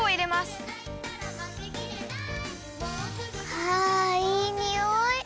あいいにおい！